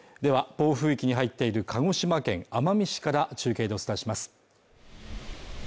暴風域に入っている鹿児島県奄美市から中継でお伝えします